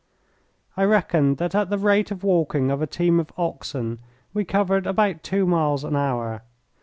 I reckoned that at the rate of walking of a team of oxen we covered about two miles an hour.